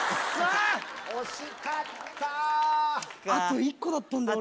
あと１個だったんだ。